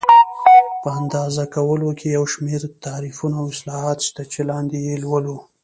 په اندازه کولو کې یو شمېر تعریفونه او اصلاحات شته چې لاندې یې لولو.